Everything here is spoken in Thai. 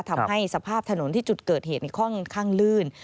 ทำให้สภาพถนนที่จุดเกิดเหตุค่อนข้างลื่น